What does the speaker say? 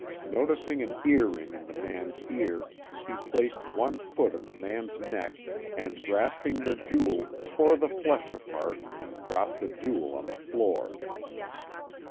Noticing an earring in ihe man's car, be placed one foot on the man's neck and giasping the jewel tore the flesh apart and dropped the jewel on the floor.